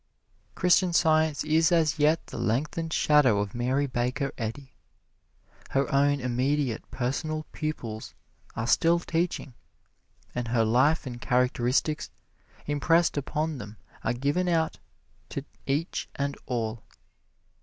Christian Science is as yet the lengthened shadow of Mary Baker Eddy. Her own immediate, personal pupils are still teaching, and her life and characteristics impressed upon them are given out to each and all.